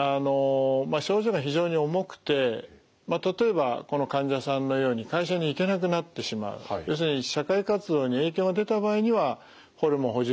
あの症状が非常に重くて例えばこの患者さんのように会社に行けなくなってしまう要するに社会活動に影響が出た場合にはホルモン補充療法も考慮いたします。